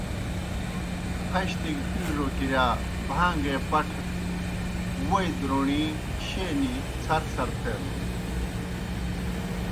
پھشتی گہ پِیڙو کِرِیا بھان٘گے پٹھہ ووئی روݨی شینِجیْ څَھرڅَھر تھینَن۔